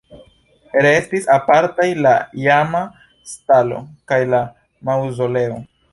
Restis apartaj la iama stalo kaj la maŭzoleo.